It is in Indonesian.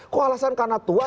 kok alasan karena tua